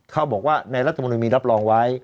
เขาบอกว่าในรัฐมนุนมีรับรองไว้